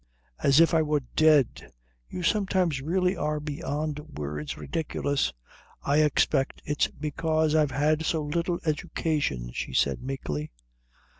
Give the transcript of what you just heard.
"As if I were dead. You sometimes really are beyond words ridiculous." "I expect it's because I've had so little education," she said meekly.